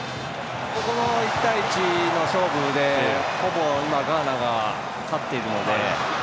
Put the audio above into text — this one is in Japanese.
ここの１対１の勝負で今、ほぼガーナが勝っているので。